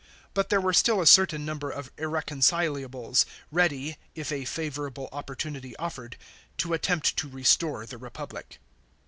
But there were still a certain number of irreconcilables, ready, if a favourable oppor tunity offered, to attempt to restore the Republic.